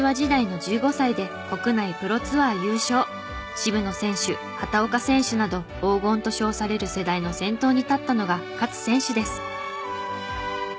渋野選手畑岡選手など「黄金」と称される世代の先頭に立ったのが勝選手です。